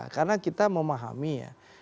karena kita memahami ya